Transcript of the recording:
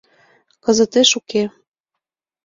— Кызытеш уке.